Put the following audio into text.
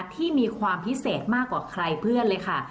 ที่มีความพิเศษมากกว่าใครเพื่อนเลยค่ะ